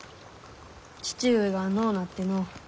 父上が亡うなっての。